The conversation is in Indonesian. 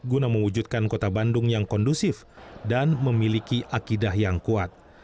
guna mewujudkan kota bandung yang kondusif dan memiliki akidah yang kuat